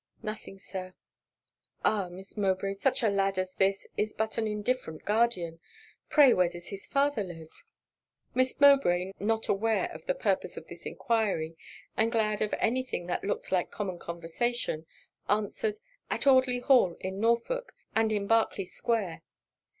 'Nothing, Sir.' 'Ah! Miss Mowbray; such a lad as that is but an indifferent guardian; pray where does his father live?' Miss Mowbray, not aware of the purpose of this enquiry, and glad of any thing that looked like common conversation, answered 'at Audley Hall, in Norfolk; and in Berkley Square.'